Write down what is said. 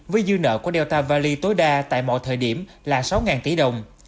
với dư nợ của delta valley tối đa tại mọi thời điểm là sáu tỷ đồng